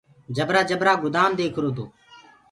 جبرآ جبرآ گُدآم ديکرو تو۔